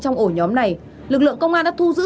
trong ổ nhóm này lực lượng công an đã thu giữ